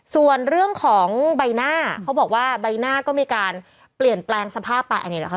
ส่วนเรื่องของใบหน้าเขาบอกว่าใบหน้าก็มีการเปลี่ยนแปลงสภาพไปอันนี้เหรอคะ